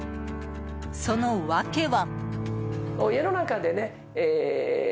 その訳は。